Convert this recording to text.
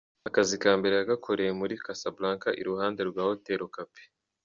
Akazi ka mbere yagakoreye muri Casablanca iruhande rwa Hotel Okapi.